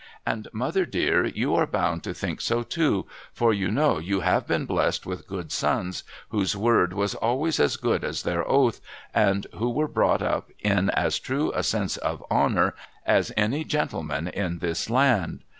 And, mother dear, you are bound to think so too, for you know you have been blest with good sons, whose word was always as good as their oath, and who were brought up in as true a sense of honour as any gentleman in this land.